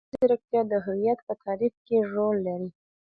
مصنوعي ځیرکتیا د هویت په تعریف کې رول لري.